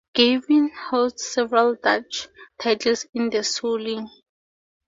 Gavin holds several Dutch titles in the Soling.